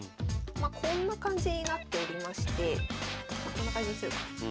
こんな感じになっておりましてこんな感じにすれば。